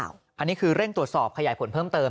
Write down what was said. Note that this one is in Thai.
อันนี้คือเร่งตรวจสอบขยายผลเพิ่มเติม